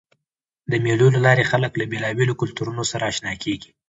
د مېلو له لاري خلک له بېلابېلو کلتورونو سره اشنا کېږي.